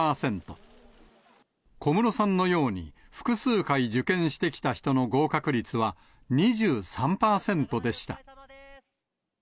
小室さんのように複数回受験してきた人の合格率は２３％でした。